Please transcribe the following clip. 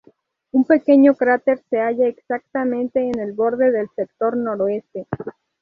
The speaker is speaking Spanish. Un pequeño cráter se halla exactamente en el borde del sector noroeste.